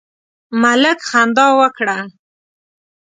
ملک خندا وکړه.